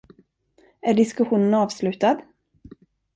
Är diskussionen avslutad?